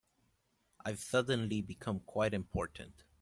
I've suddenly become quite important.